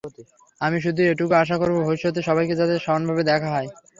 আমি শুধু এটুকুই আশা করব, ভবিষ্যতে সবাইকে যাতে সমানভাবে দেখা হয়।